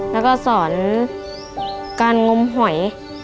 แล้วก็สอนการงมหอย